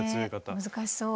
難しそう。